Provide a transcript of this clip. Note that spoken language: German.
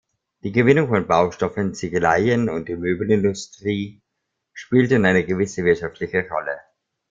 Die Gewinnung von Baustoffen, Ziegeleien und die Möbelindustrie spielten eine gewisse wirtschaftliche Rolle.